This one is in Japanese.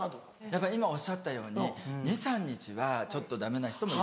やっぱ今おっしゃったように２３日はちょっとダメな人も。